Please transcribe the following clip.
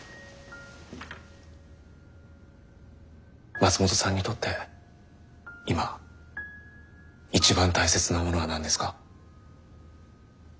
松本さんにとって今一番大切なものは何ですか？